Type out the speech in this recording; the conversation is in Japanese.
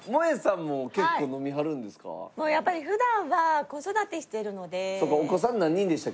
やっぱり普段は子育てしてるので。